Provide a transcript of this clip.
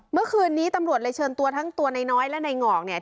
เมื่อคืนนี้ตำรวจเลยเชิญตัวทั้งตัวนายน้อยและในหงอกเนี่ย